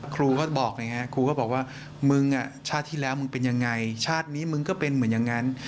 ครูก็บอกว่ามึงชาติที่แล้วมึงเป็นยังไงชาตินี้มึงก็เป็นเหมือนอย่างนั้น